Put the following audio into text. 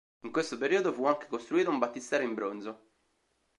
In questo periodo fu anche costruito un battistero in bronzo.